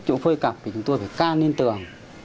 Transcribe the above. chúng tôi phơi hết chỗ phơi cặp thì chúng tôi phải can lên tường